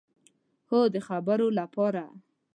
هو، د خبرو لپاره